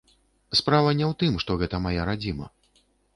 Справа не ў тым, што гэта мая радзіма.